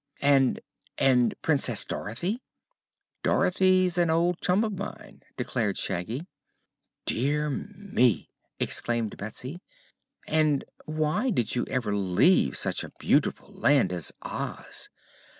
"And and Princess Dorothy?" "Dorothy's an old chum of mine," declared Shaggy. "Dear me!" exclaimed Betsy. "And why did you ever leave such a beautiful land as Oz?"